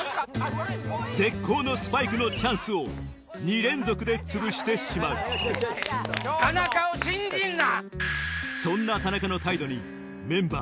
絶好のスパイクのチャンスを２連続でつぶしてしまう田中を信じるな！